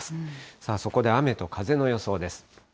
さあ、そこで雨と風の予想です。